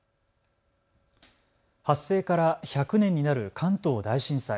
発生から１００年になる関東大震災。